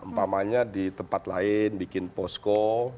umpamanya di tempat lain bikin posko